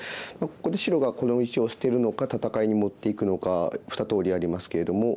ここで白がこの石を捨てるのか戦いに持っていくのか２通りありますけれども。